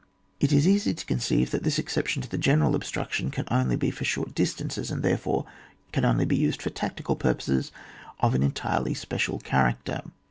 It is easy to conceive that this exception to the general ob struction can only be for short distances, and, therefore, can only be used for tac tical purposes of an entirely special cha racter.